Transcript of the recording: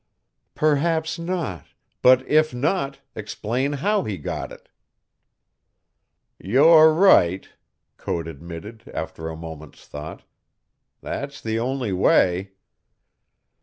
"Perhaps not, but if not, explain how he got it." "You're right," Code admitted after a moment's thought; "that's the only way."